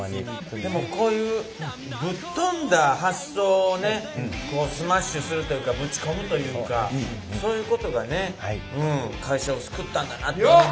でもこういうぶっ飛んだ発想をねスマッシュするというかぶち込むというかそういうことがね会社を救ったんだなって思います。